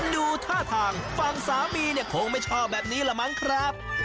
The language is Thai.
ดูท่าทางฝั่งสามีเนี่ยคงไม่ชอบแบบนี้แหละมั้งครับ